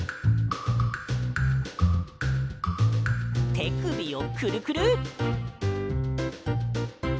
てくびをクルクル。